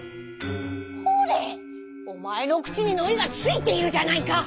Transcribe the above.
ほれおまえのくちにのりがついているじゃないか！